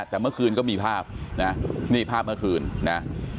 แต่เมื่อคืนก็มีภาพนะนี่ภาพเมื่อคืนนะ